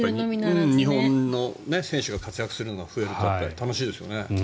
日本の選手が活躍するのが増えるのは楽しみですよね。